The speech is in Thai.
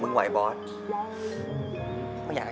ชื่อฟอยแต่ไม่ใช่แฟง